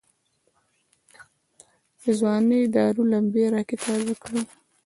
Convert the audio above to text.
دځوانۍ داور لمبي را کې تازه کړه